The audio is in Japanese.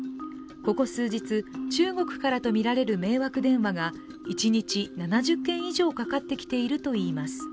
ここ数日、中国からとみられる迷惑電話が一日７０件以上かかってきているといいます。